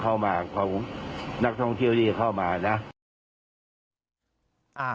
และความปลอดภัยของนักทรงเทียวนี้เข้ามานะ